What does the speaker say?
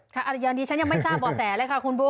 คืออย่างดีฉันยังไม่ทราบเบาะแสเลยค่ะคุณปุ๊ก